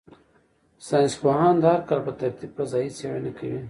ساینس پوهان د هر کال په ترتیب فضايي څېړنې کوي.